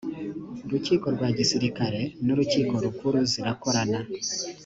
urukiko rwa gisirikare n’urukiko rukuru zirakorana